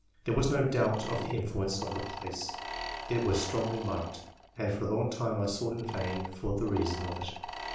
There was no doubt of the influence of the place — ^it was strongly marked ; and for a long time I sought in vain for the reason of it.